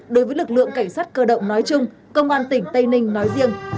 đối với lực lượng cảnh sát cơ động nói chung công an tỉnh tây ninh nói riêng